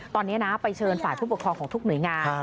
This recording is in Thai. ตอนนี้นะไปเชิญฝ่ายผู้ปกครองของทุกหน่วยงาน